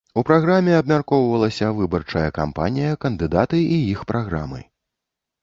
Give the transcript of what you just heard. У праграме абмяркоўвалася выбарчая кампанія, кандыдаты і іх праграмы.